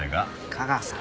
架川さん。